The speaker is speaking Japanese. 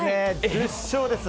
１０勝です。